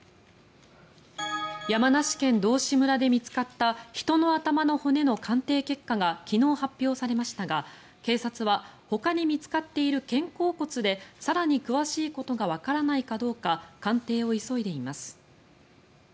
山梨県道志村で見つかった人の頭の骨の鑑定結果が昨日、発表されましたが警察はほかに見つかっている肩甲骨で更に詳しいことがわからないかどうか鑑定を急いでいます。